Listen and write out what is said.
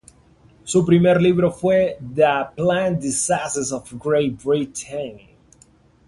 Su primer libro fue: ""The Plant Diseases of Great Britain".